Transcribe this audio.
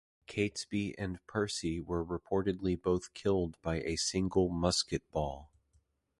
Catesby and Percy were reportedly both killed by a single musket ball.